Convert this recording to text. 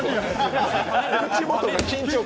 口元が緊張感。